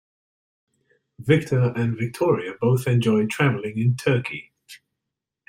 Victor and Victoria both enjoy traveling in Turkey.